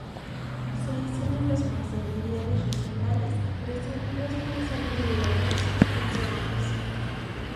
Seis tienen responsabilidades regionales y tres tienen responsabilidades funcionales.